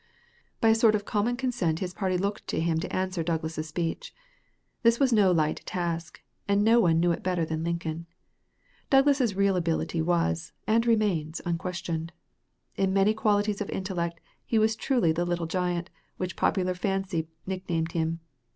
By a sort of common consent his party looked to him to answer Douglas's speech. This was no light task, and no one knew it better than Lincoln. Douglas's real ability was, and remains, unquestioned. In many qualities of intellect he was truly the "Little Giant" which popular fancy nicknamed him.